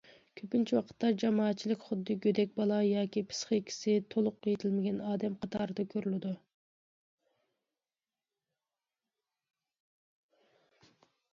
كۆپىنچە ۋاقىتتا جامائەتچىلىك خۇددى گۆدەك بالا ياكى پىسخىكىسى تولۇق يېتىلمىگەن ئادەم قاتارىدا كۆرۈلىدۇ.